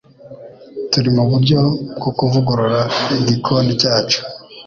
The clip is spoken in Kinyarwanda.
Turi muburyo bwo kuvugurura igikoni cyacu.